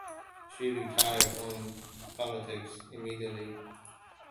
She retired from politics immediately.